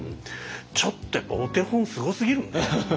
ちょっとやっぱお手本すごすぎるんで。